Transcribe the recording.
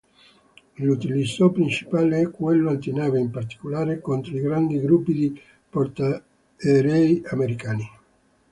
L'utilizzo principale è quello antinave, in particolare contro i grandi gruppi di portaerei americani.